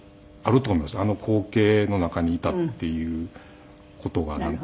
あの光景の中にいたっていう事が。